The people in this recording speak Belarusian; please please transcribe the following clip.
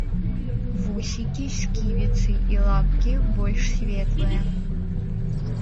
Вусікі, сківіцы і лапкі больш светлыя.